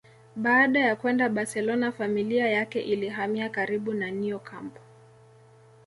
Baada ya kwenda Barcelona familia yake ilihamia karibu na Neo camp